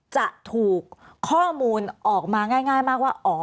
จะถูกข้อมูลออกมาง่ายมากว่า